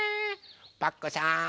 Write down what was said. パクこさん